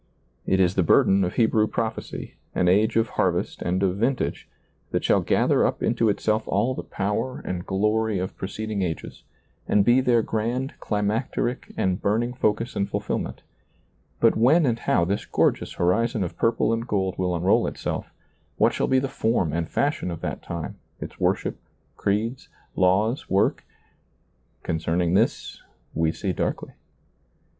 It is the burden of Hebrew prophecy, an age of harvest and of vintage, that ^lailizccbvGoOgle lo SEEING DARKLY shall gather up into itself all the power and glory of preceding ages, and be their grand climacteric and burning focus and fulfillment ; but when and how this goi^eous horizon of purple and gold will unroll itself, what shall be the form and fashion of that time, its worship, creeds, laws, work, — concerning this, we see darkly.